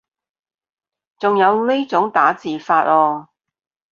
仲有呢種打字法啊